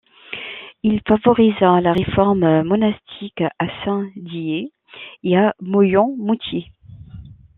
Il favorisa la réforme monastique à Saint-Dié et à Moyenmoutier.